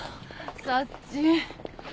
サッチン。